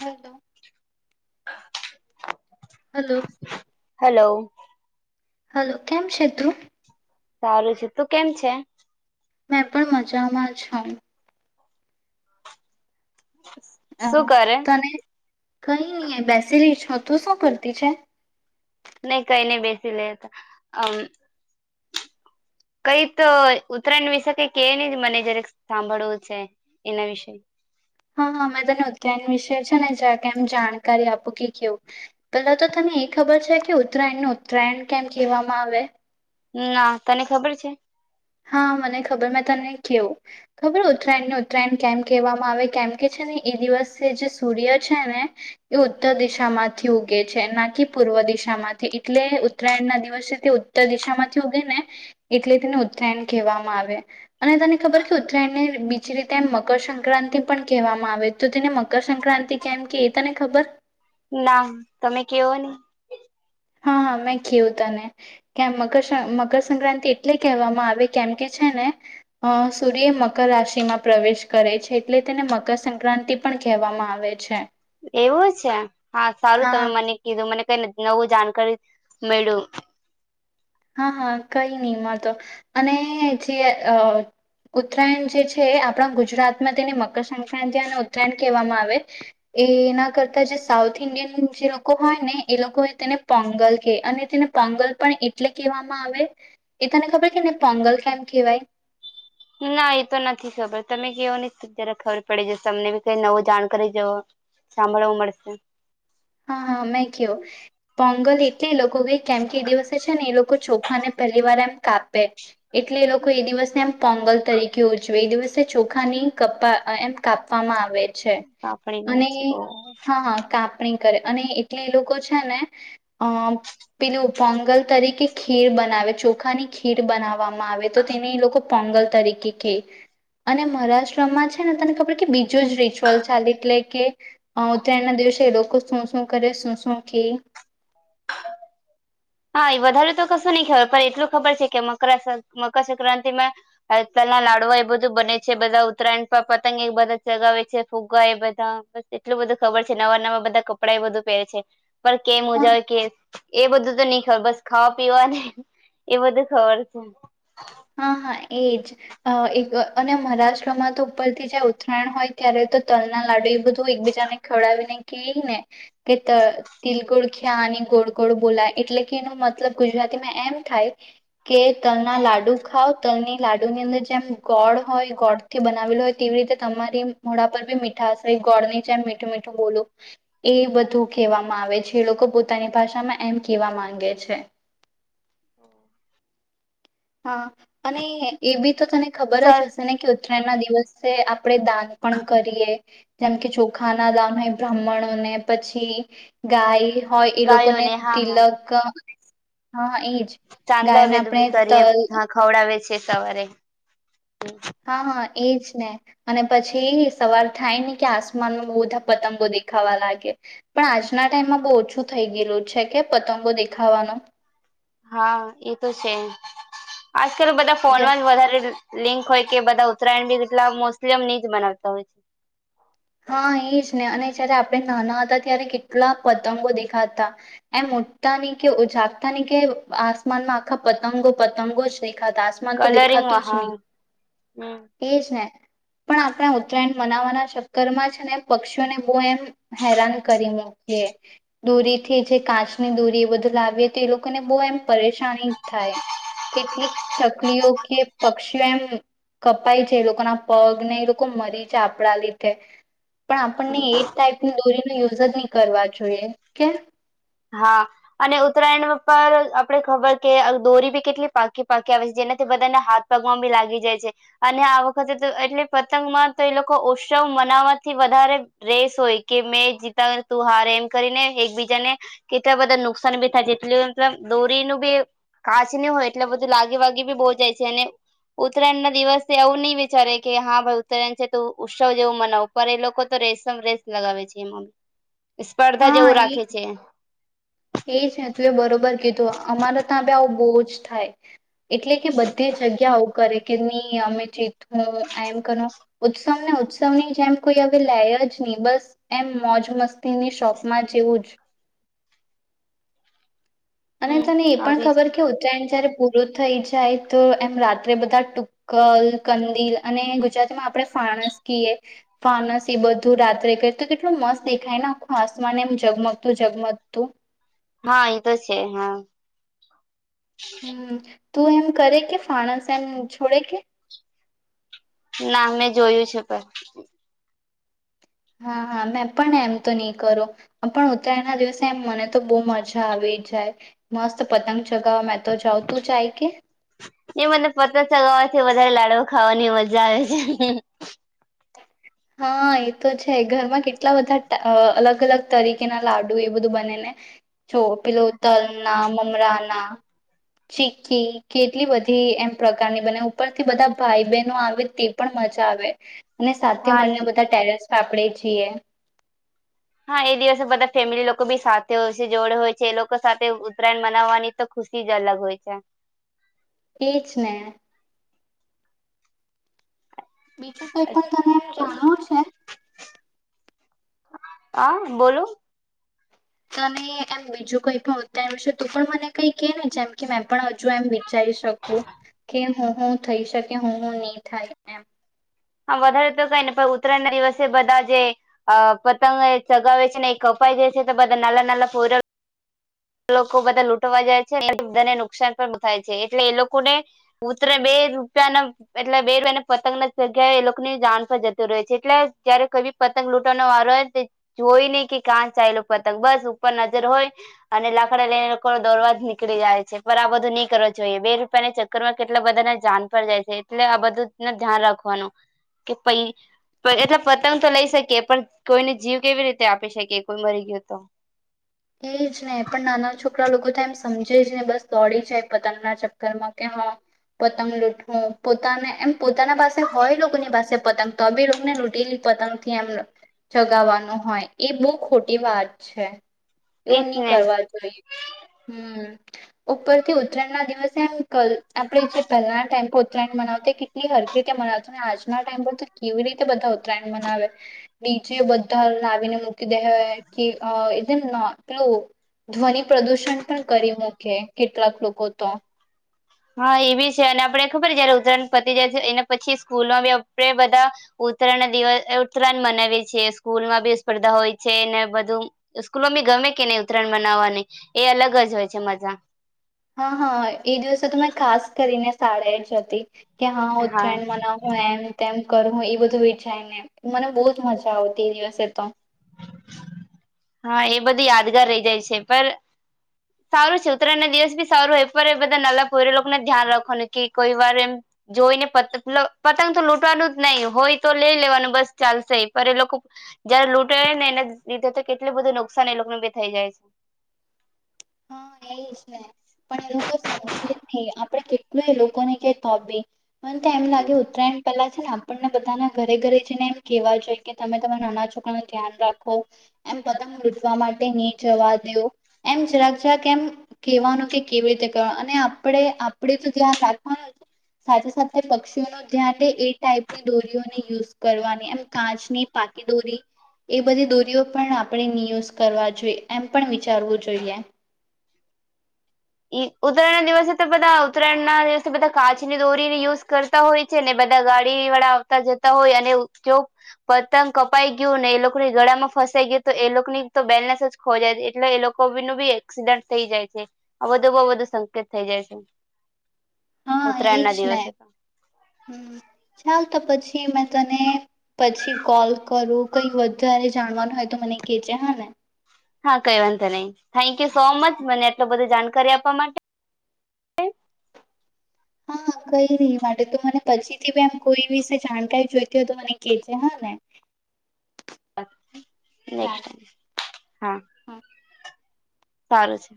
Hello [inaudible] hello hello hello કેમ છેત્રું સારું છે તું કેમ છે મેં પણ મજામાં છું. હ શું કરે તને, કઈ ની અય બેસીલી છું. તું શું કરતી છે? નહી કઈ નહી બેસી લેતા અમ કઈ તો ઉત્તરાયણ વિશે કઈ કે ની મને જારાક સાંભળવું છે એના વિશે. હા હા મેં તને ઉત્તરાયણ વિષે છે ને જરાક કેમ જાણકારી આપું કે કેવું પેલા તો તને એ ખબર છે કે ઉત્તરાયણને ઉત્તરાયણ કેમ કહેવામાં આવે? ના, તને ખબર છે? હા, મને ખબર મે તને કેવું. ખબર ઉત્તરાયણ ને ઉ ઉત્તરાયણ કેમ કહેવામાં આવે કેમ કે છે ને એ દિવસે જે સૂર્ય છે ને એ ઉત્તર દિશા હમાંથી ઉગે છે, ના કે પૂર્વ દિશામાંથી એટલે ઉત્તરાયણના દિવસ છે તે ઉત્તર દિશામાંથી ઉગે ને એટલે તેને ઉત્તરાયણ કહેવામાં આવે અને તને ખબર કે ઉત્તરાયણને બીજી રીતે એમ મકરસક્રાંતિ પણ કહેવામાં આવે તો તેને મકરસક્રાંતિ કેમ કેય એ તને ખબર? ના, તમે કેવો ની. હા હા મેં કેવું તને કેમ મકર મકરસક્રાંતિ એટલે કહેવામાં આવે કેમ કે છે, ને અ સૂર્ય મકર રાશિમાં પ્રવેશ કરે છે એટલે તેને મકરસક્રાંતિ પણ કહેવામાં આવે છે. એવું છે! હા સારું તમે હા. મને કીધું મને કઈ નવું જાણકારી મળ્યું. હા હા કઈ નહી એમાં તો અને જે ઉત્તરાયણ જે છે, આપણા ગુજરાતમાં તેને મકરસંક્રાંતિ અને ઉત્તરાયણ કહેવામાં આવે એના કરતા જે સાઉથ ઇન્ડિયન જે લોકો હોય ને એ લોકો એ તેને પોંગલ કેય અને તેને પોંગલ પણ એટલે કહેવામાં આવે એ તને ખબર કે ને પોંગલ કેમ કેહવાય? ના એતો નથી ખબર તમે કેવો ની જરા ખબર પડી જશે, તમને બી કઈ નવું જાણકારી જેવ સાંભળવા મળશે. હા હા મેં કયો પોંગલ એટલે ચોખા ને પહેલીવાર એમ કાપે એટલે એ લોકો એ દિવસને એમ પોંગલ તરીકે ઉજવે એ દિવસ ચોખાની ક એમ કાપવામાં આવે. છે કાપણી કરે અને છે ઓ હા હા કાપ વાવણી કરે અને એટલે એ લોકો છે ને અ પેલું પોંગલ તરીકે ખીર બનાવે ચોખાની ખીર બનાવવામાં આવે તો તેને એ લોકો પોંગલ તરીકે કે અને મહારાશ્ટ્રમમાં છે ને તને ખબર કે બીજું જ રિચ્યુઅલ ચાલે એટલે કે ઉત્તરાયણ ના દિવસે લો શું શું કરે શું શું કે. હા એ વધારે તો કશું નહી ખબર પણ એટલું ખબર છે કે મકરસક્રાંતિ માં તલ ના લાડુ એ બધું બને છે બધા ઉત્તરાયણ પર પતંગ એ બધા ચગાવે છે ફુગ્ગા એ બધા એટલું બધું ખબર છે નવા નવા બધા કપડાં એ બધું પહેરે છે પણ કેમ હા ઉજાવે કે એ બધું તો ની ખબર બસ ખાવા પીવા ને એ બધું ખબર છે. હા હા એજ એક અને મહારાષ્ટ્રમાં તો ઉપરથી જ ઉત્તરાયણ હોય ત્યારે તો તલના લાડુ એ બધું એકબીજાને ખવડાવીને ક ને કે ત તિલગોળ ખ્યા અને ગોળ ગોળ બોલાય એટલે કે એનો મતલબ ગુજરાતીમાં એમ થાય કે તલના લાડુ ખાાવ તલની લાડુ ની અંદર જેમ ગોળ હોય ગોળ થી બનાવેલો હોય તેવી રીતે તમારી મોડા પર બી મીઠાશ હોય ગોળની જેમ મીઠું મીઠું બોલું એ બધું કહેવામાં આવે છે એ લોકો પોતાની ભાષામાં એમ કહેવા માંગે છે. [inaudible] હા અને એ બી તો તને ખબર સર જ હશે ને કે એમના દિવસે આપણેે દાન પણ કરીએ જેમ કે ચોખા ના દાન હોય બ્રાહ્મણોને પછી ગાય હોય એ લોકોને ગાયોને હા હા તિલક હા એજ ચાંદલા ગાયને આપણે તલ [unintelligible] હા ખવડાવે છે. એ સવારે. હા હા. એજ ને અને પછી સવાર થાય ને કે આસમાનમાં બહુ બધા પતંગો દેખાવા લાગે પણ આજના ટાઈમમાં બહુ ઓછું થઈ ગયેલું છે કે પતંગો દેખાવાનો. હા એ તો છે. આજકાલ બધા જે ફોનમાં જ વધારે લિંક હોય કે બધા ઉત્તરાયણ બ એટલા મુસ્લિમ ની જ બનાવતા હોય છે. હા એ જ ને અને જયારે આપણે નાના હતા ત્યારે કેટલા પતંગો દેખાતા એમ મોટતા નહ કે ઉ જાગતા નહ કે આસમાનમાં આખા પતંગો પતંગો દે ખાતા આસમાન તો દેખાતું કલરિંગમાં જ હા નહી. હમ એજ ને પણ આપણા ઉત્તરાયણ મનાવાના શક છેને પક્ષીઓને બહુ એમ હેરાન કરી મૂકીએ દૂરી થી જે કાચની દૂરી એ બધું લાવીએ તો એ લોકોને બહુ એમ પરેશાની થાય, કેટલીક ચકલીઓ કે પક્ષીઓ એમ કપાય છે. એ લોકોના પગ ને એ લોકો મરી જ આપડા લીધ કે. પણ આપણને એ ટાઈપ ની દોરી યુઝ જ નહી કરવા જોઈએ કેમ હા અને ઉત્તરાયણ પર આપણે ખબર કે દોરી બી કેટલી પાકી પાકી આવે છે જેનાથી બધાને હાથ પગવા બી લાગી જાય છે અને આ વખતે એટલે પતંગમાં તો એ લોકો ઉત્સવ મનાવવાથી વધારે રસ હોય કે મેં જીતા તું હાર એમ કરીને એકબીજાને કેટલા બધા નુકસાન ભી થાય એટલ મતલબ દોરીનું બી કાચ ન હોય એટલે બધું લાગી વાગી બી બહુ જાય છે અને ઉત્તરાયણ ના દિવસે એવું નહી વિચારે કે હા ભાઈ ઉત્તરાયણ છે તો ઉત્સવ જેવું મનાવો પર એ લોકો તો રસમ રેસ લગાવે છે એમાં સ્પર્ધા હા જેવું એ રાખે છે. એ છે તું એ બરોબર કીધું અમારે ત્યાં આવું બહુ જ થાય. એટલે કે બધી જગ્યાઓ. કરે કે નહી અમે ચીું એમ કર ઉત્સવ ને ઉત્સવ ની જેમ કોઈ હવે લે જ નહી બસ એમ મોજ મસ્તી સ્ટોકમાં જેવું જ અને હમ તને એ પણ આવી ખબર કે ઉત્તરાયણ જયારે પૂરું થઈ જાય તો એમ રાત્રે બધા ટુક્કલ કંદિલ અને ગુજરાતીમાં આપડણે ફણસ કએ ફણસ એ બધું રાત્રે કરી, તો કેટલું મસ્ત દેખાય ને આખું આસમાને એમ જગમગતું જગમગતું હા એ તો છે હા. હમ્મ. તું એમ કરે કે ફણસ એમ છોડે કે ના મેં જોયું છે પણ હા હા મેં પણ એમ તો નહી કરું, પણ ઉત્તરાયણ ના દિવસે એમ મને તો બહ મજા આવી જાય મસ્ત પતંગ ચગાવવા તો જાઉં તું જાય કે એ મને પતા ચગવા થી વધારે લાડુ ખાવાની મજા આવે છે. હા એ તો છે ઘરમાં કેટલા બધા અલગ અલગ તરીકે ના લાડુ એ બધું બને ને જો પેલો તલના, મમરાના, ચીકી કેટલી બધી એમ પ્રકારની બને ઉપરથી બધા ભાઈ બહેનો આવે તે પણ મજા આવે અને સા હા બંને બધા ટેરેસ સાપડે છીએ. હા એ દિવસે બધા ફેમિલી લોકો બી સાથે હોય છે જોડે હોય છે એ લોકો સાથે ઉત્તરાયણ મનાવવાની તો ખુશી જ અલગ હોય છે. એ જ ને બીજું કઈ પણ તને એમ જાણવું છે. હા બોલો ત એમ બીજું કઈ પણ ઉત્તયણશે તો પણ મને કઈ કે ને જેમ કે મે પણ હજુ એમ વિચારી શકું કે હું હું થઈ શકે હું હું નહી થાય એમ હા વધારે તો કઈ ને પણ ઉત્તરાયણ ના દિવસે બધા જે પતંગ એ ચગાવે છે ને એ કપાઈ જાય છે તો બધા નાના નાના પોર લોકો બધા લૂંટવા જાય છે બધાને નુકસાન પણ થાય છે એટલે એ લોકોને ઉતરાયણ બે રૂપિયાના એટલે બે રૂપિયા પતંગના જગ્યાએ એ લોકોની જણ પર જતી રહેય છે, એટલે જયારે કોઈ બી પતંગ લૂંવાનો વારો હોય જોય નહી કે કાં ચાલ પતંગ બસ ઉપર નજર હોય અને લાકડા લઈને લોકો દોરવા જ નીકળી જાય છે પણ આ બધું નહીં કરવો જોઈએ બે રૂપિયા ના ચક્કરમાં કેટલા બધા જાન પર જાય છે એટલે આ બધું ન ધ્યાન રાખો કે પ એટલે પતંગ તો લઈ શકીએ પણ કોઈને જીવ કેવી રીતે આપી શકીએ કોઈ મરી ગયયો તો એ જ હ પણ નાના છોકરા લોકો તો એમ સમજે જ નહી બસ દોડી જાય પતંગના ચક્કર માં કે હા પતંગ લૂટહું પોતાને એમ પોતાના પાસે હોય લોકોની પાસે પતંગ તો બી લોકોને લૂ લી પતંગથી એમને ચગાવવાનું હોય એ બો ખોટી વાત છે. એવું એજ નહી ને કરવા જોઈએ હમ ઉપરથી ઉત્તરાયણ ના દિવસે એમ આપણેે જે પહેલા ટાઈમ પર ઉત્તરાયણ મનાવતા કેટલી હરખી રીતે મનાવત આજના ટાઈમ પર તો કેવી રીતે બધા ઉત્તરાયણ મનાવે ડીજ બધા લાવીને મૂકી દેવા કે જેમ ધ્વનિ પ્રદુષણ પણ કરી મૂકે કેટલાક લોકો તો હા એ બી છે અને આપડે ખબર જયારે ઉત્તરાયણ પતી જાય છે એને પછી સ્કૂલમાં બી આપે બધા ઉત્તરાયણ દિવસ ઉત્તરાયણ મનાવીએ છીએ સ્કૂલમાં બી સ્પર્ધા હોય છે ને બધું સ્કૂલમાં બી ગમે કે નહી ઉત્તરાયણ મનાવવાની એ અલગ જ હોય છે મજા હા હા એ દિવસે તો મેં ખાસ કરીને શાળા જ હતી કે હા ઉત્તરાયણ મનાવહું એમ તેમ કરું હું એ બધું વિચાય ને મને બો જ મજા આવતી એ દિવસે તો હા એ બધું યાદગાર રહી જાય છે પણ સારું છે ઉત્તરાયણ ના દિવસ બી સારું હોય પણ એ બધા નાલાપય લોકોને ધ્યાન રાખવાનું કે કોઈ વાર એમ જોઈ ને પત પતંગ તો લૂટવાનું જ નહી હોય તો લઈ લેવાનું બસ ચાલશે પણ એ લોકો જયારે લૂંટે ને લીધે તો કેટલું બધું નુકસાન એ લોકો નું ભી થઈ જાય છે હા એ છે ને પણ એ લોકો સમજે જ ને આપડે કેટ લોકોને કે [unintelligible] મને તો એમ લાગે ઉત્તરાયણ પેલા આપણને બધાના ઘરે ઘરે જઈને એમ કેવા જોઈએ કે તમે તમારા નાના છોકરા ન ધ્યાન રાખો એમ પતાંગ લૂટવા માટે નહી જવા દો એમ જરા કેમ કવાનું કે કેવી રીતે કરવા અને આપણે આપણે તો ધ્યાન રાખવાનું સાથે સાથે પક્ષીઓનું ધ્યાન લે એ ટાઈપની દોરીઓને યુઝ કરવાની એમ કાચની પાકી દોરી એ બધી દોરીઓ પણ આપણે નિ યુઝ કરવા જોઈએ એમ પણ વિચારવું જોઈએ ઉત્તરાયણના દિવસે તો બધા ઉત્તરાયણ ના દિવસે બધા કાચની દોરીને યુઝ કરતા હોય છે ને બધા ગાડી વાળા આવતા જતા હોય અને જો પતંગ કપાઈ ગયું ને એ લોકોની ગળામાં ફસાઈ ગયું તો એ લોકોની તો બેલેન્સ જ ખો જાય એટલે એ લોકો ન બી એક્સિડન્ટ થઈ જાય છે આ બધુ બહ વધુ સંકેત થઈ જાય છે હા ઉત્તરાયણ ના એજ ને દિવસે તો હમ ચાલ તો પછી મેં તને પછી કોલ કરું કઈ વધારે જાણવાનું હોય તો મને કેહે છેે હ ને હા કઈ વાંધો નહી થેન્ક યુ સો મચ મને એટલ બધો જાણકારી આપવા માટે હા કઈ નહી એ માટે તો મને પછી થી એમ કોઈ વિશે જાણકારી જોઈતી હોય તો મને કેજે હા ને ચાલ હા હ સારું છે